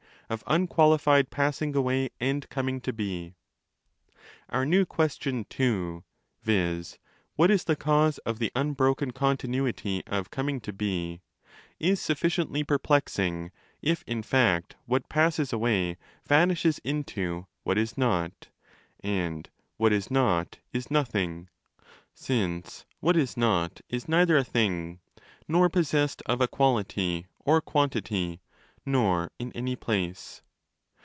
of wxqualified passing away and coming to be. —: Our new question too—viz. 'what is the cause of the unbroken continuity of coming to be ?'—is sufficiently per plexing, if in fact what passes away vanishes into ' what is 15 not' and 'what is not' is nothing (since 'what is not' is neither a thing, nor possessed of a quality or quantity, nor in any place).